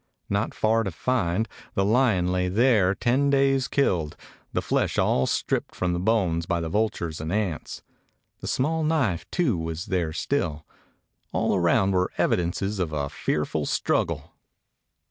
Not far to find. The lion lay there, ten days killed; the flesh all stripped from the bones by the vultures and ants. The small knife, too, was there still. All around were evidences of a fearful struggle.